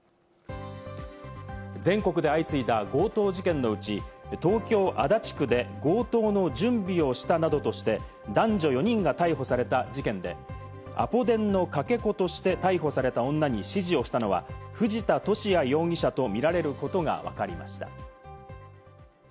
全国で相次いだ強盗事件のうち、東京・足立区で強盗の準備をしたなどとして男女４人が逮捕された事件で、アポ電のかけ子として逮捕された女に指示をしたのは藤田聖也容疑者とみられることがわかりました。